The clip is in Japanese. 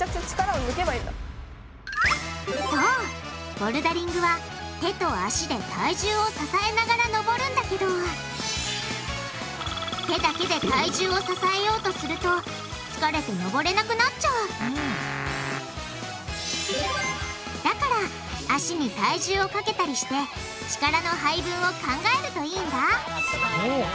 ボルダリングは手と足で体重を支えながら登るんだけど手だけで体重を支えようとすると疲れて登れなくなっちゃうだから足に体重をかけたりして力の配分を考えるといいんだそうか。